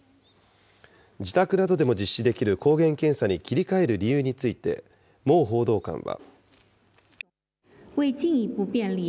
自宅などでも実施できる抗原検査に切り替える理由について、毛報道官は。